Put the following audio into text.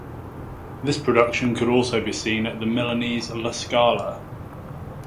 This production could also be seen at the Milanese La Scala.